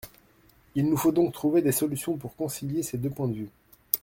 Il nous faut donc trouver des solutions pour concilier ces deux points de vue.